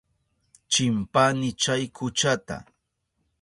Chimpani chay kuchata.